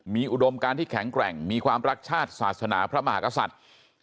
มีอุดมการที่แข็งแกร่งมีความรักชาติศาสนาพระมหากษัตริย์